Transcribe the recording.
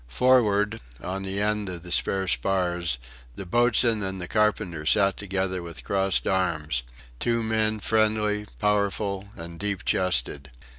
Forward, on the end of the spare spars, the boatswain and the carpenter sat together with crossed arms; two men friendly, powerful, and deep chested.